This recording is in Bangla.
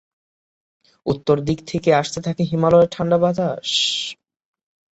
উত্তর দিক থেকে আসতে থাকে হিমালয়ের ঠান্ডা বাতাস।